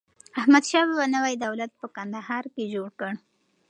احمدشاه بابا نوی دولت په کندهار کي جوړ کړ.